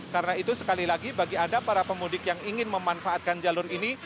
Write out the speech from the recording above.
karena itu sekali lagi bagi anda para pemudik yang ingin memanfaatkan jalur ini